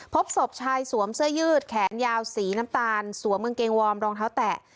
พบศพชายสวมเสื้อยืดแขนยาวสีน้ำตาลสวมกางเกงวอร์มรองเท้าแตะ